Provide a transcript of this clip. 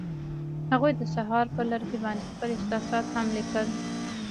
هغوی د سهار پر لرګي باندې خپل احساسات هم لیکل.